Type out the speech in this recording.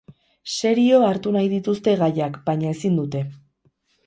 Serio hartu nahi dituzte gaiak baina, ezin dute.